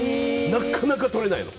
なかなか取れないの。